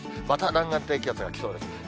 また南岸低気圧が来そうです。